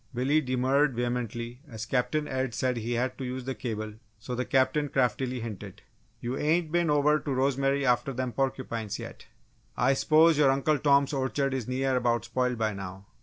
Billy demurred vehemently as Captain Ed said he had to use the cable so the Captain craftily hinted: "You ain't been over to Rosemary after them porcupines, yet? I s'pose your Uncle Tom's orchard is near about spoiled by now!"